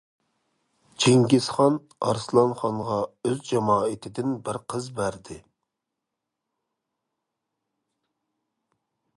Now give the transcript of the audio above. چىڭگىزخان ئارسلانخانغا ئۆز جامائىتىدىن بىر قىز بەردى.